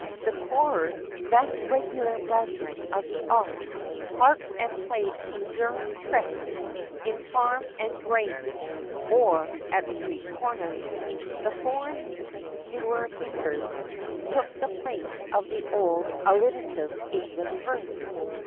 The poorer, less regular brethren of the art, harped and played conjuring tricks, in farm and grange, or at street corners. The foreign newer metres took the place of the old alliterative English verse.